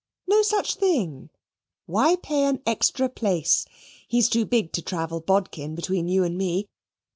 "No such thing; why pay an extra place? He's too big to travel bodkin between you and me.